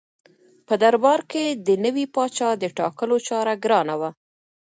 په دربار کې د نوي پاچا د ټاکلو چاره ګرانه وه.